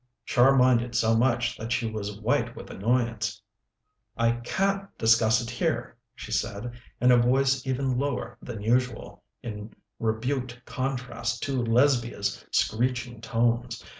Char minded so much that she was white with annoyance. "I can't discuss it here," she said, in a voice even lower than usual, in rebukeful contrast to Lesbia's screeching tones.